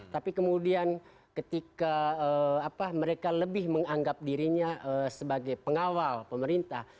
tapi kemudian ketika mereka lebih menganggap dirinya sebagai pengawal pemerintah